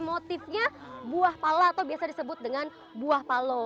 motifnya buah pala atau biasa disebut dengan buah palo